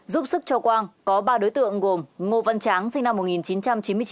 giúp sức cho quang có ba đối tượng gồm ngô văn tráng sinh năm một nghìn chín trăm chín mươi chín